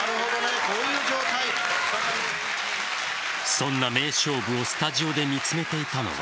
そんな名勝負をスタジオで見つめていたのは